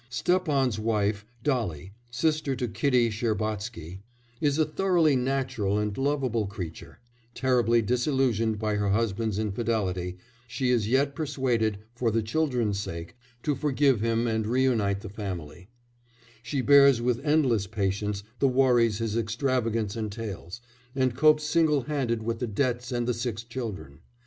Stepan's wife Dolly, sister to Kitty Shcherbatsky is a thoroughly natural and lovable creature; terribly disillusioned by her husband's infidelity, she is yet persuaded, for the children's sake, to forgive him and reunite the family; she bears with endless patience the worries his extravagance entails, and copes single handed with the debts and the six children.